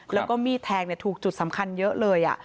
แล้วก็มีดแทงถูกจุดสำคัญเยอะเลย